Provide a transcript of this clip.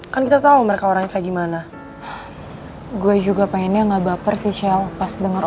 kata mereng gather